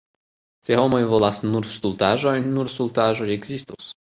Se homoj volas nur stultaĵojn, nur stultaĵoj ekzistos.